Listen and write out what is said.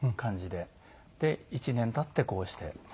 で１年経ってこうして。